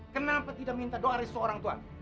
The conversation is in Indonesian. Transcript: kenapa tidak minta doa dari seorang tua